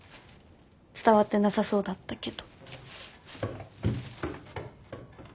伝わってなさそうだったけど。